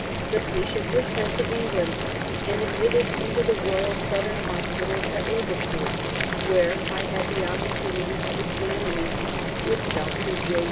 The patient was sent to England and admitted into the Eoyal Southern Hospital at Liverpool, where I had the opportunity of examining" him, with Dr. J.